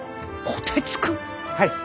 はい。